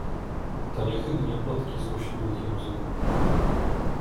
"To niechybnie plotki złośliwych języków."